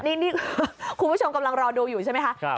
นี่คุณผู้ชมกำลังรอดูอยู่ใช่ไหมคะ